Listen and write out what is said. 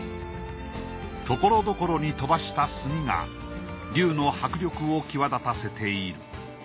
ところどころに飛ばした墨が龍の迫力を際立たせている。